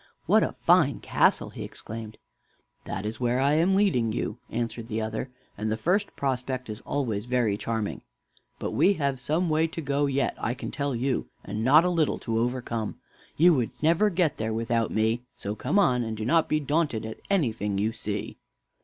"What a fine castle!" he exclaimed. "That is where I am leading you," answered the other; "and the first prospect is always very charming. But we have some way to go yet, I can tell you, and not a little to overcome. You would never get there without me; so come on, and do not be daunted at anything you see."